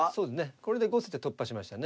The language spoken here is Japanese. これで５筋は突破しましたね。